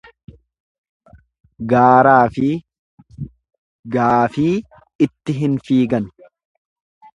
Gaaraafi gaafii itti hin figan.